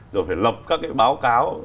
rồi phải lập các cái báo cáo